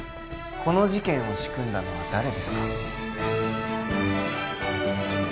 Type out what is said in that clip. この事件を仕組んだのは誰ですか？